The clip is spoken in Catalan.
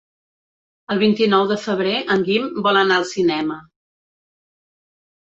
El vint-i-nou de febrer en Guim vol anar al cinema.